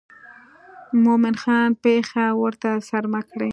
مومن خان پښې ورته څرمه کړې.